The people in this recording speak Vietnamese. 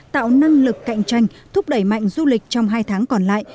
tạo năng lực cạnh tranh thúc đẩy mạnh du lịch trong hai tháng còn lại